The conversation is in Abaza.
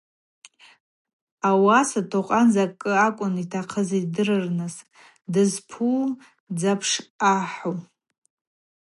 Ауаса Токъан закӏы акӏвын йтахъыз йдырныс: дызпу дзапш ахӏу.